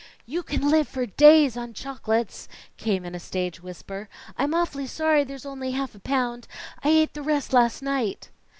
"You can live for days on chocolates," came in a stage whisper. "I'm awfully sorry there's only half a pound; I ate the rest last night."